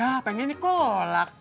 ya pengen nih kolak